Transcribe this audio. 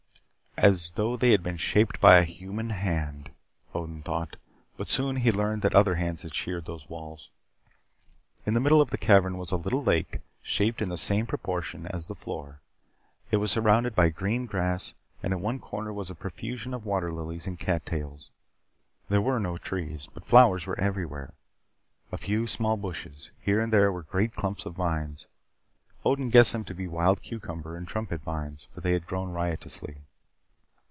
"As though they had been shaped by human hand," Odin thought, but he soon learned that other hands had sheered those walls. In the very middle of the cavern was a little lake, shaped in the same proportion as the floor. It was surrounded by green grass, and at one corner was a profusion of water lilies and cat tails. There were no trees, but flowers were everywhere. A few small bushes. Here and there were great clumps of vines. Odin guessed them to be wild cucumber and trumpet vines, for they had grown riotously.